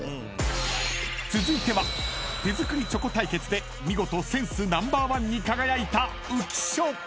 ［続いては手作りチョコ対決で見事センスナンバーワンに輝いた］